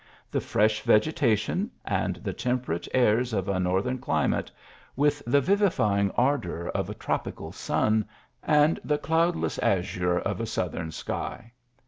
The fresh vegetation, and the temperate airs of a northern climate, with the vivifying ardour of a tropical sun, and the cloudless azure of a southern sky.